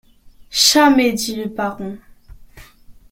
Chamais ! dit le baron.